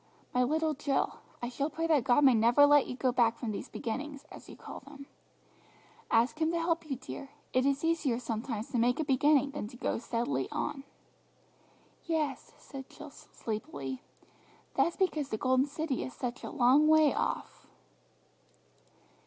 "My little Jill, I shall pray that God may never let you go back from these beginnings, as you call them. Ask Him to help you, dear. It is easier sometimes to make a beginning than go steadily on." "Yes," said Jill sleepily; "but that's because the Golden City is such a long way off!"